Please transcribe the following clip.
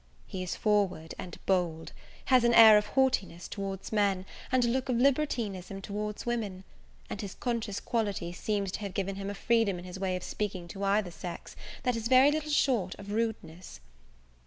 He is forward and bold; has an air of haughtiness towards men, and a look of libertinism towards woman; and his conscious quality seems to have given him a freedom in his way of speaking to either sex, that is very little short of rudeness.